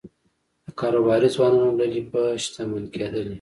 د کاروباري ځوانانو ډلې به شتمن کېدلې